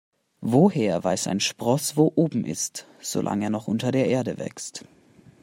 Woher weiß ein Spross, wo oben ist, solange er noch unter der Erde wächst?